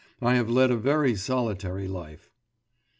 I have led a very solitary life.